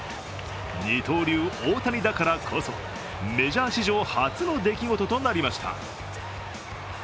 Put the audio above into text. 二刀流・大谷だからこそメジャー史上初の出来事となりました。